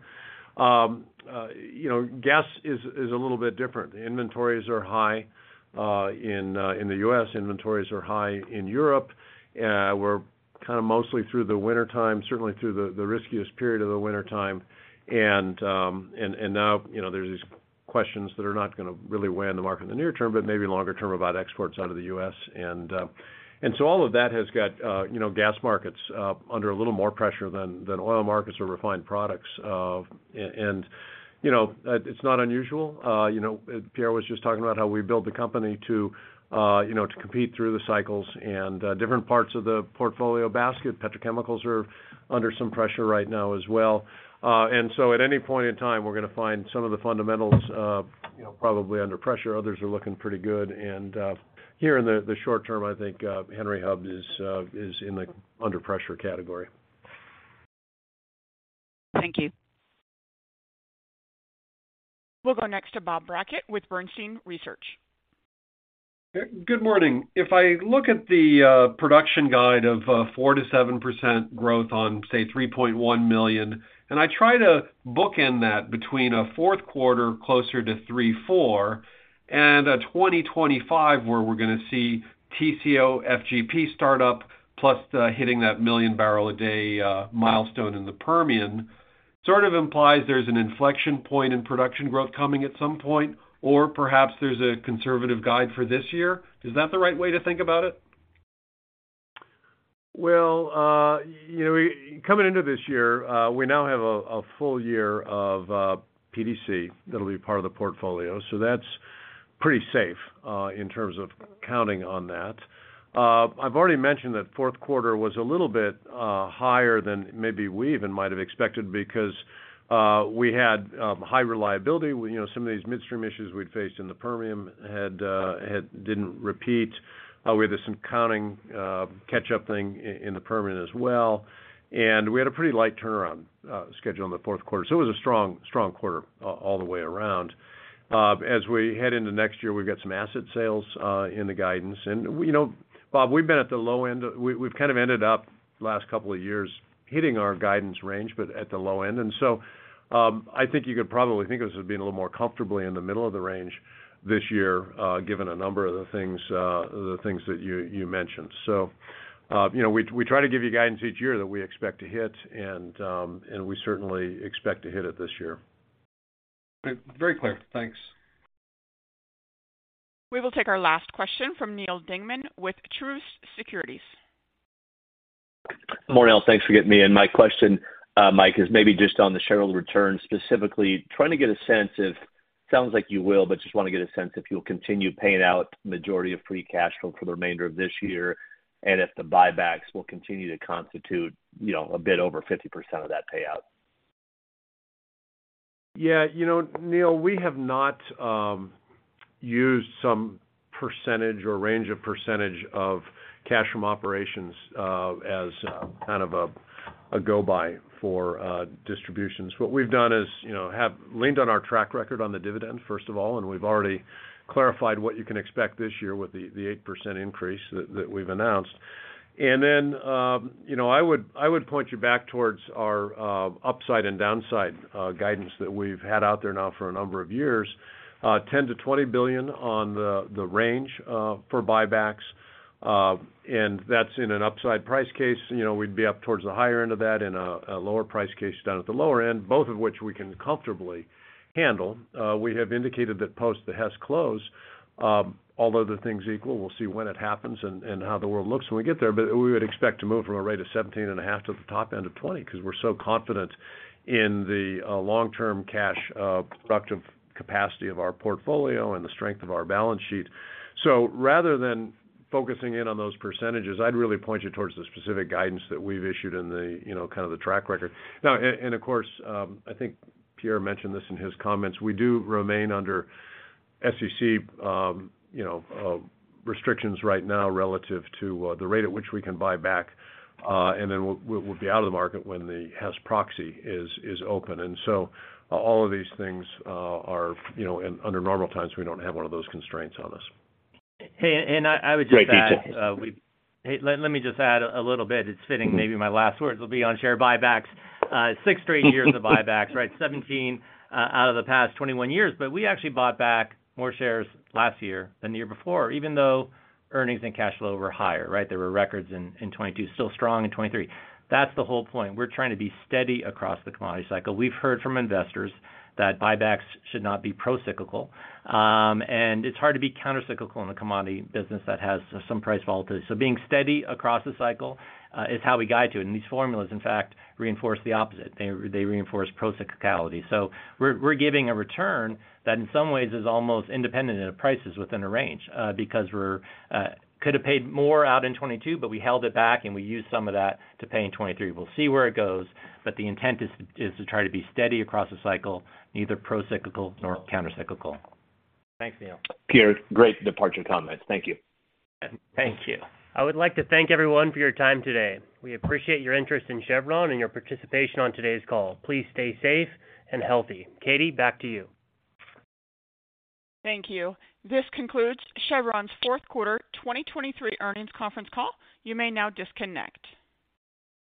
[SPEAKER 3] You know, gas is a little bit different. The inventories are high in the U.S., inventories are high in Europe, we're kind of mostly through the wintertime, certainly through the riskiest period of the wintertime. And now, you know, there's these questions that are not gonna really weigh on the market in the near term, but maybe longer term, about exports out of the U.S. And so all of that has got, you know, gas markets under a little more pressure than oil markets or refined products of... And, you know, it's not unusual. You know, Pierre was just talking about how we build the company to, you know, to compete through the cycles and different parts of the portfolio basket. Petrochemicals are under some pressure right now as well. And so at any point in time, we're gonna find some of the fundamentals, you know, probably under pressure. Others are looking pretty good. Here in the short term, I think Henry Hub is in the under pressure category.
[SPEAKER 18] Thank you.
[SPEAKER 1] We'll go next to Bob Brackett with Bernstein Research....
[SPEAKER 19] Good morning. If I look at the production guide of 4%-7% growth on, say, 3.1 million, and I try to bookend that between a fourth quarter closer to 3.4, and a 2025, where we're gonna see TCO FGP startup, plus hitting that 1 million barrel a day milestone in the Permian, sort of implies there's an inflection point in production growth coming at some point, or perhaps there's a conservative guide for this year. Is that the right way to think about it?
[SPEAKER 3] Well, you know, coming into this year, we now have a full year of PDC that'll be part of the portfolio, so that's pretty safe in terms of counting on that. I've already mentioned that fourth quarter was a little bit higher than maybe we even might have expected because we had high reliability. You know, some of these midstream issues we'd faced in the Permian didn't repeat. We had some accounting catch-up thing in the Permian as well, and we had a pretty light turnaround schedule in the fourth quarter. So it was a strong, strong quarter all the way around. As we head into next year, we've got some asset sales in the guidance, and, you know, Bob, we've been at the low end. We've kind of ended up, last couple of years, hitting our guidance range, but at the low end. And so, I think you could probably think of us as being a little more comfortably in the middle of the range this year, given a number of the things, the things that you, you mentioned. So, you know, we, we try to give you guidance each year that we expect to hit, and, and we certainly expect to hit it this year.
[SPEAKER 19] Very clear. Thanks.
[SPEAKER 1] We will take our last question from Neil Dingmann with Truist Securities.
[SPEAKER 20] Morning, all. Thanks for getting me in. My question, Mike, is maybe just on the shareholder return, specifically, trying to get a sense if, sounds like you will, but just want to get a sense if you'll continue paying out majority of free cash flow for the remainder of this year, and if the buybacks will continue to constitute, you know, a bit over 50% of that payout.
[SPEAKER 3] Yeah, you know, Neil, we have not used some percentage or range of percentage of cash from operations as kind of a go-by for distributions. What we've done is, you know, have leaned on our track record on the dividend, first of all, and we've already clarified what you can expect this year with the 8% increase that we've announced. And then, you know, I would point you back towards our upside and downside guidance that we've had out there now for a number of years, $10 billion-$20 billion on the range for buybacks. And that's in an upside price case. You know, we'd be up towards the higher end of that, in a lower price case, down at the lower end, both of which we can comfortably handle. We have indicated that post the Hess close, although the things equal, we'll see when it happens and, and how the world looks when we get there, but we would expect to move from a rate of 17.5% to the top end of 20%, 'cause we're so confident in the long-term cash productive capacity of our portfolio and the strength of our balance sheet. So rather than focusing in on those percentages, I'd really point you towards the specific guidance that we've issued in the, you know, kind of the track record. Now, of course, I think Pierre mentioned this in his comments, we do remain under SEC, you know, restrictions right now, relative to the rate at which we can buy back, and then we'll be out of the market when the Hess proxy is open. And so all of these things, you know, under normal times, we don't have one of those constraints on us.
[SPEAKER 4] Hey, and I would just add-
[SPEAKER 20] Great, thanks.
[SPEAKER 4] Hey, let me just add a little bit. It's fitting maybe my last words will be on share buybacks. Sixth straight year of buybacks, right? 17 out of the past 21 years, but we actually bought back more shares last year than the year before, even though earnings and cash flow were higher, right? There were records in 2022, still strong in 2023. That's the whole point. We're trying to be steady across the commodity cycle. We've heard from investors that buybacks should not be procyclical, and it's hard to be countercyclical in a commodity business that has some price volatility. So being steady across the cycle is how we guide to it, and these formulas, in fact, reinforce the opposite. They reinforce procyclicality. So we're giving a return that in some ways is almost independent of prices within a range, because we could have paid more out in 2022, but we held it back, and we used some of that to pay in 2023. We'll see where it goes, but the intent is to try to be steady across the cycle, neither procyclical nor countercyclical.
[SPEAKER 20] Thanks, Neil. Pierre, great departure comments. Thank you.
[SPEAKER 4] Thank you.
[SPEAKER 2] I would like to thank everyone for your time today. We appreciate your interest in Chevron and your participation on today's call. Please stay safe and healthy. Katie, back to you.
[SPEAKER 1] Thank you. This concludes Chevron's fourth quarter 2023 earnings conference call. You may now disconnect.